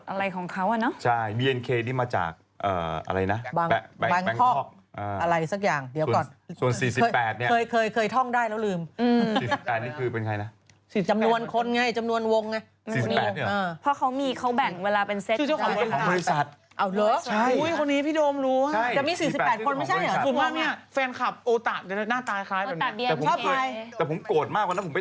อะไรของเขาอ่ะเนอะใช่บีเอ็นเคนี่มาจากเอ่ออะไรนะอะไรสักอย่างเดี๋ยวก่อนส่วนสี่สิบแปดเนี้ยเคยเคยเคยท่องได้แล้วลืมอืมสี่สิบแปดนี่คือเป็นไงนะสี่สิบแปดจำนวนคนไงจำนวนวงไงสี่สิบแปดเนี้ยอ่าเพราะเขามีเขาแบ่งเวลาเป็นเซ็ตชื่อชื่อของบริษัทของบริษัทเอาเหรอใช่อุ้ยคนนี้พี่โดมรู้อ่ะใช่แต่มีสี่